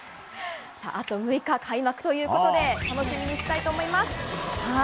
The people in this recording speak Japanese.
あと６日で開幕ということで楽しみにしたいと思います。